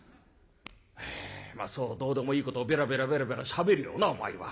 「はあまあそうどうでもいいことをベラベラベラベラしゃべりよるなお前は。